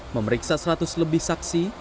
memeriksa seratus lebih saksi